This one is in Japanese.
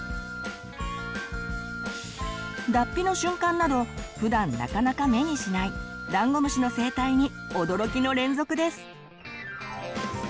脱皮の瞬間などふだんなかなか目にしないダンゴムシの生態に驚きの連続です。